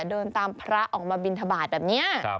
เดินตามพระออกมาบินทบาทแบบนี้